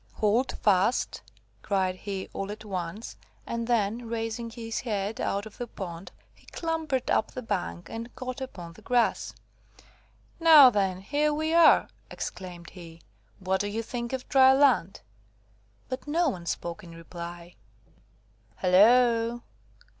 "Hold fast," cried he, all at once, and then, raising his head out of the pond, he clambered up the bank, and got upon the grass. "Now then, here we are," exclaimed he. "What do you think of dry land?" But no one spoke in reply. "Halloo!